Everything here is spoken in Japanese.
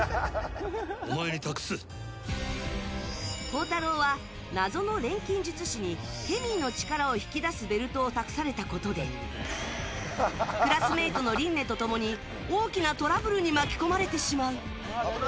宝太郎は、謎の錬金術師にケミーの力を引き出すベルトを託されたことでクラスメートのりんねと共に大きなトラブルに巻き込まれてしまう！